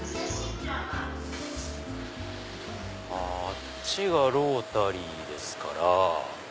あっちがロータリーですから。